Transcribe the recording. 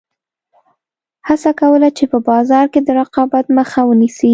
هڅه کوله چې په بازار کې د رقابت مخه ونیسي.